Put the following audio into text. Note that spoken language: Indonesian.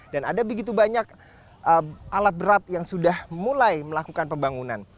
dan ada begitu banyak alat berat yang sudah mulai melakukan pembangunan